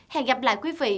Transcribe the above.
hẹn gặp lại quý vị